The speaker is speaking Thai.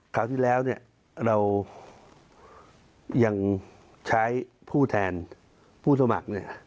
คราวที่แล้วเนี่ยเรายังใช้ผู้แทนผู้สมัครเนี่ย